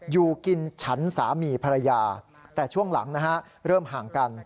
อยู่กินฉันสามีภรรยาแต่ช่วงหลังนะฮะเริ่มห่างกัน